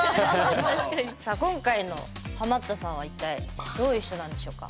さあ今回のハマったさんは一体どういう人なんでしょうか。